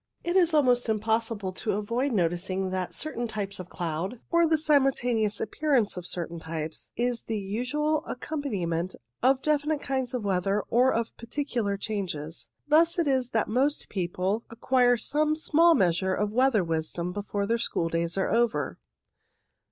It is almost impossible to avoid noticing that certain types of cloud, or the simultaneous appearance of certain types, is the usual accompaniment of definite kin^ds of weather or of particular changes. Thus it is that most people 2 INTRODUCTORY acquire some small measure of weather wisdom before their schooldays are over.